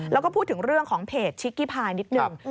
แล้วก็พูดถึงเรื่องของเพจชิคกี้พายนิดหนึ่ง